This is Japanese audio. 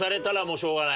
しょうがない。